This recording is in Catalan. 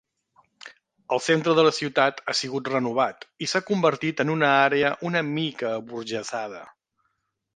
El centre de la ciutat ha sigut renovat i s'ha convertit en una àrea una mica aburgesada.